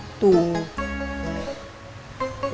waktu ibu puput abis keguguran